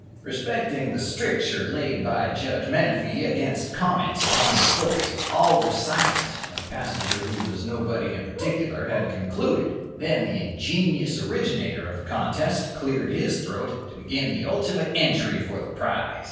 Respecting the stricture laid by Judge Menefee against comments upon the stories, all were silent when the passenger who was nobody in particular had concluded. And then the ingenious originator of the contest cleared his throat to begin the ultimate entry for the prize.